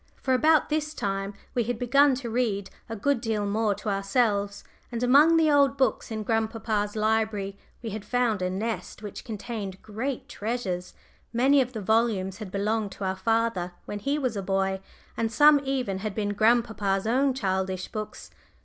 For about this time we had begun to read a good deal more to ourselves, and among the old books in grandpapa's library we had found a nest which contained great treasures; many of the volumes had belonged to our father when he was a boy, and some even had been grandpapa's own childish books.